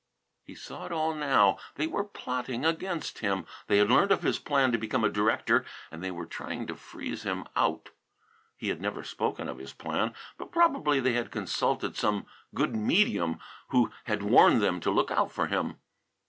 He saw it all now. They were plotting against him. They had learned of his plan to become a director and they were trying to freeze him out. He had never spoken of this plan, but probably they had consulted some good medium who had warned them to look out for him.